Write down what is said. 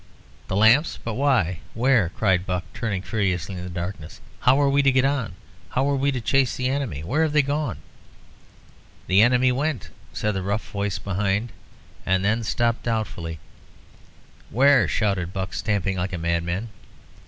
"The lamps! But why? where?" cried Buck, turning furiously in the darkness. "How are we to get on? How are we to chase the enemy? Where have they gone?" "The enemy went " said the rough voice behind, and then stopped doubtfully. "Where?" shouted Buck, stamping like a madman.